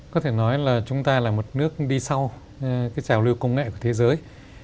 có thể nói là chúng ta là một nước đi sau cái trào lưu công nghệ của thế giới